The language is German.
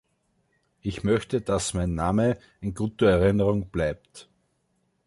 Ich möchte, dass mein Name in guter Erinnerung bleibt.